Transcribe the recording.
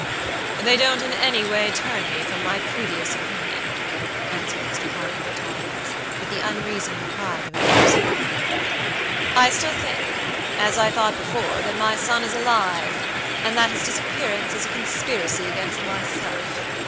"They don't in any way turn me from my previous opinion," answered Mr. Harcourt Talboys, with the unreasoning pride of an obstinate man. "I still think, as I thought before, that my son is alive, and that his disappearance is a conspiracy against myself.